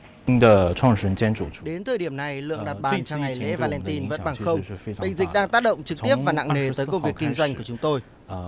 đến thời điểm này lượng đạt bán cho ngày lễ valentine vẫn bằng không bệnh dịch đang tác động trực tiếp và nặng nề tới công việc kinh doanh của chúng tôi